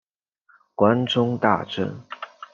关中大震。